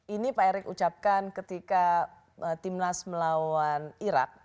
ini pak erick ucapkan ketika timnas melawan irak